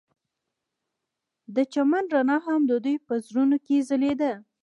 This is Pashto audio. د چمن رڼا هم د دوی په زړونو کې ځلېده.